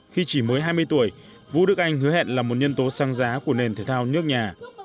khi chỉ mới hai mươi tuổi vũ đức anh hứa hẹn là một nhân tố sang giá của nền thể thao nước nhà